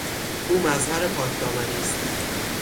او مظهر پاکدامنی است.